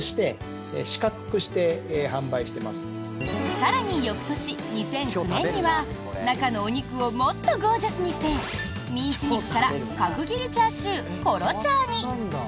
更に翌年２００９年には中のお肉をもっとゴージャスにしてミンチ肉から角切りチャーシューコロ・チャーに！